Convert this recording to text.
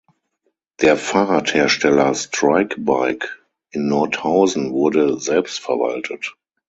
Der Fahrradhersteller Strike-Bike in Nordhausen wurde selbstverwaltet.